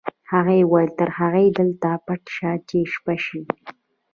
هغې وویل تر هغې دلته پټ شه چې شپه شي